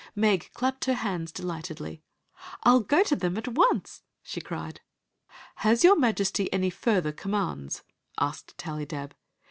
Meg clapped her hands delightedly. " I *11 go to them at once, she criaJ. "Has your Majesty any further commands ?" asked Tallydab.